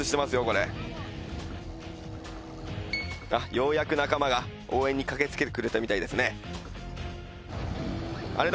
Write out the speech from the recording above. これあっようやく仲間が応援に駆けつけてくれたみたいですねあれ？